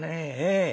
ええ。